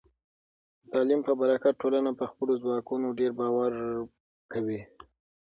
د تعلیم په برکت، ټولنه په خپلو ځواکونو ډیر باور کوي.